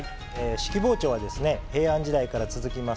式包丁は平安時代から続きます